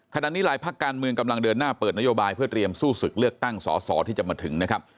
ขณะนี้หลายภาคการเมืองกำลังเดินหน้าเปิดนโยบายเพื่อเตรียมสู้ศึกเลือกตั้งสอสอที่จะมาถึงนะครับ